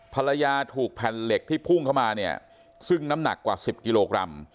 ภรรยาถูกแผ่นเหล็กที่พุ่งเข้ามาเนี่ยซึ่งน้ำหนักกว่า๑๐กิโลกรัม